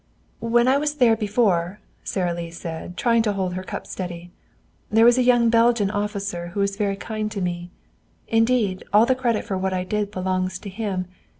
"When I was there before," Sara Lee said, trying to hold her cup steady, "there was a young Belgian officer who was very kind to me. Indeed, all the credit for what I did belongs to him.